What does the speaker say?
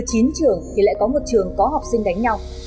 trên chín trường thì lại có một trường có học sinh đánh nhau